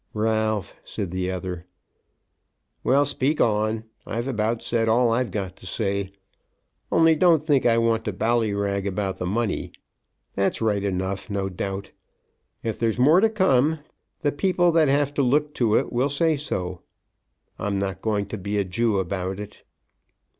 "Ralph," said the other. "Well; speak on. I've about said all I've got to say. Only don't think I want to ballyrag about the money. That's right enough, no doubt. If there's more to come, the people that have to look to it will say so. I'm not going to be a Jew about it."